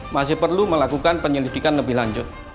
masih perlu melakukan penyelidikan lebih lanjut